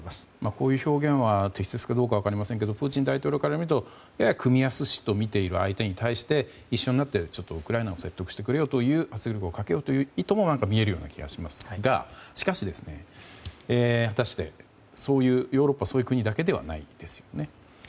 こういう表現は適切かどうか分かりませんけどプーチン大統領から見るとやや組みやすしとみている相手に対して一緒になってウクライナを説得してくれよと圧力をかけようという意図も見える気がしますが果たして、ヨーロッパはそういう国だけではないですよね。